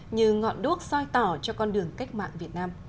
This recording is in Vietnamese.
như ngọn đuốc soi tỏ cho con đường cách mạng việt nam